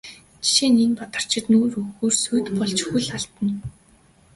Жишээ нь энэ Бадарчид нүүр өгөхөөр сүйд болж хөл алдана.